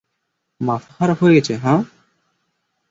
মাথা খারাপ হয়ে গেছে, হাহ?